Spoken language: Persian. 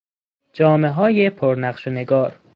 جامههای پر نقش و نگار